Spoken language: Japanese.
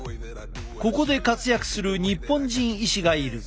ここで活躍する日本人医師がいる。